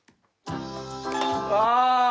ああ！